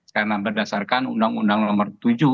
karena berdasarkan undang undang nomor tujuh